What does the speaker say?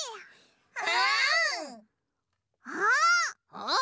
あっ！